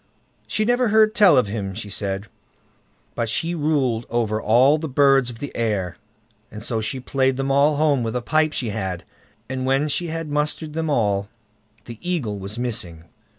She never heard tell of him she said; but she ruled over all the birds of the air, and so she played them all home with a pipe she had, and when she had mustered them all, the Eagle was missing.